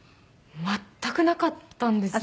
全くなかったんです。